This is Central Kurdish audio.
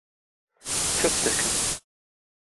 تف دەکەم.